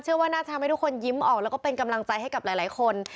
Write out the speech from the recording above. ว่าน่าจะทำให้ทุกคนยิ้มออกแล้วก็เป็นกำลังใจให้กับหลายคน